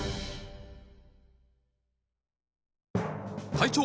隊長！